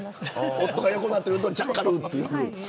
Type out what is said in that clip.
夫が横になってるとジャッカルってやる。